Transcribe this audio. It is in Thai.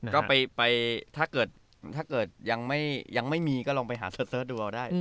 ก็ไปถ้าเกิดยังไม่มีก็ลองไปหาเสิร์ชดูเอาได้